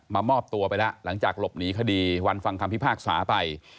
มอบตัวไปแล้วหลังจากหลบหนีคดีวันฟังคำพิพากษาไป